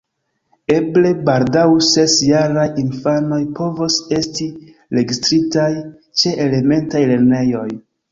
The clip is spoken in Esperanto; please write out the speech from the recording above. Eble baldaŭ ses-jaraj infanoj povos esti registritaj ĉe elementaj lernejoj.